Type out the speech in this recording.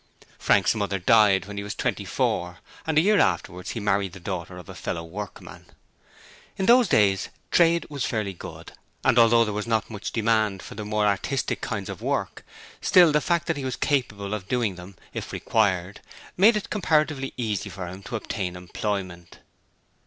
Frank's mother died when he was twenty four, and a year afterwards he married the daughter of a fellow workman. In those days trade was fairly good and although there was not much demand for the more artistic kinds of work, still the fact that he was capable of doing them, if required, made it comparatively easy for him to obtain employment.